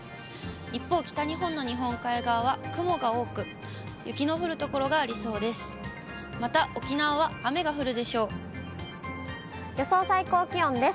一方、北日本の日本海側は雲が多く、雪の降る所がありそうです。